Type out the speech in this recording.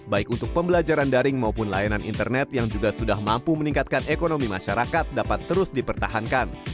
baik untuk pembelajaran daring maupun layanan internet yang juga sudah mampu meningkatkan ekonomi masyarakat dapat terus dipertahankan